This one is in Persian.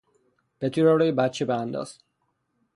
پتو را روی بچه بیانداز.